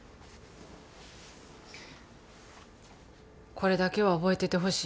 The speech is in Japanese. これだけは覚えててほしい。